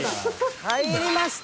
入りました！